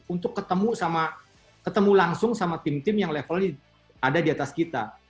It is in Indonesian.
untuk ketemu langsung sama tim tim yang levelnya ada di atas kita